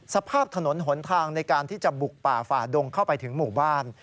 สภาพถนนหนทางในการที่จะบุกป่าฝ่าดงเข้าไปถึงหมู่บ้าน